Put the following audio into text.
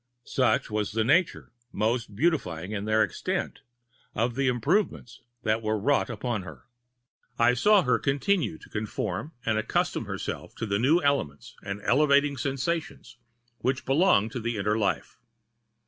Such was the nature—most beautifying in their extent—of the improvements that were wrought upon her. I saw her continue to conform and accustom herself to the new elements and elevating sensations which belong to the inner life.